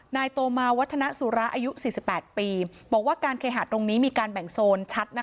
นายโตมาวัฒนสุระอายุ๔๘ปีบอกว่าการเคหาดตรงนี้มีการแบ่งโซนชัด